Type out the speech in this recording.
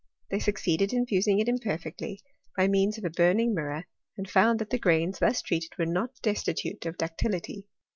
They succeeded in fusing it imperfectly, by means of a burning mirror, and fbund that the grains thus treated were not destitute of ductility.